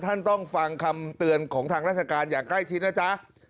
ท่านต้องฟังคำเตือนของทางราชการอย่างใกล้ชิดนะจ๊ะ